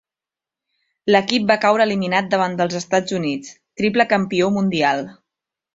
L'equip va caure eliminat davant dels Estats Units, triple campió mundial.